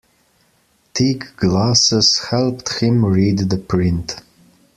Thick glasses helped him read the print.